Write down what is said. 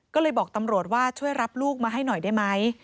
ก็เลยบอกตำรวจว่าช่วยรับลูกมาให้หน่อยได้ไหม